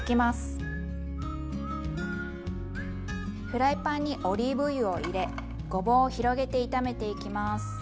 フライパンにオリーブ油を入れごぼうを広げて炒めていきます。